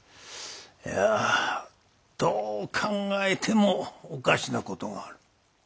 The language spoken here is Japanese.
いやどう考えてもおかしなことがある。